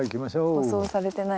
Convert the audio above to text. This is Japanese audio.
舗装されてない。